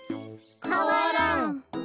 かわらん。